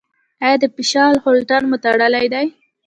ایا د فشار هولټر مو تړلی دی؟